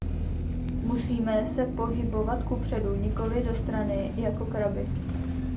Musíme se pohybovat kupředu, nikoli do strany jako krabi.